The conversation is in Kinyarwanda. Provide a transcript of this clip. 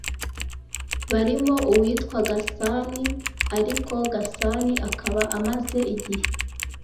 barimo uwitwa Gasani. Ariko Gasani akaba amaze igihe